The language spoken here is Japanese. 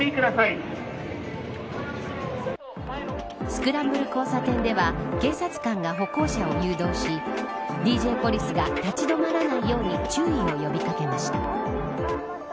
スクランブル交差点では警察官が歩行者を誘導しＤＪポリスが立ち止まらないように注意を呼び掛けました。